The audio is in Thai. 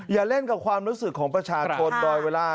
อย่าเล่นกับความรู้สึกของประชาชนโดยเวลา